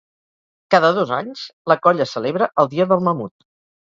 Cada dos anys la colla celebra el Dia del Mamut.